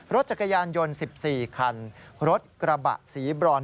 รถจักรยานยนต์๑๔คันรถกระบะสีบรอน